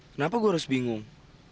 kenapa gue harus bingung